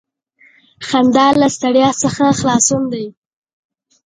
• خندا له ستړیا څخه خلاصون دی.